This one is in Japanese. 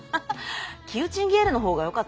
キウチンゲールのほうがよかった？